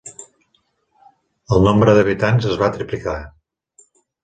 El nombre d'habitants es va triplicar.